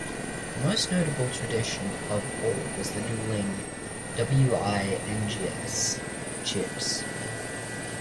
The most notable tradition of all was the dueling "W-I-N-G-S" cheers.